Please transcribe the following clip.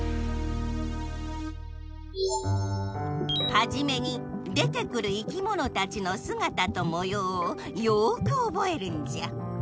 はじめに出てくるいきものたちのすがたともようをよくおぼえるんじゃ。